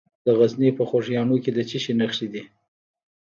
د غزني په خوږیاڼو کې د څه شي نښې دي؟